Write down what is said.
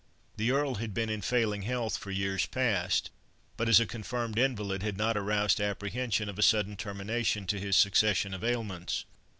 The Earl had been in failing health for years past; but as a confirmed invalid, had not aroused apprehension of a sudden termination to his succession of ailments.